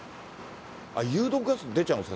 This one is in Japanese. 有毒ガス、出ちゃうんですか？